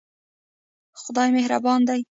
خدای مهربان دی